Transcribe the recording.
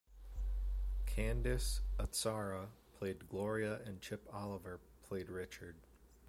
Candice Azzara played Gloria and Chip Oliver played Richard.